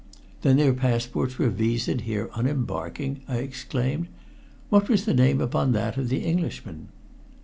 "Then their passports were viséd here on embarking?" I exclaimed. "What was the name upon that of the Englishman?"